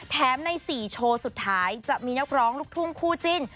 ใน๔โชว์สุดท้ายจะมีนักร้องลูกทุ่งคู่จิ้น